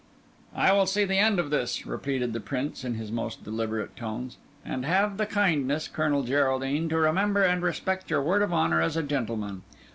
"I will see the end of this," repeated the Prince in his most deliberate tones; "and have the kindness, Colonel Geraldine, to remember and respect your word of honour as a gentleman.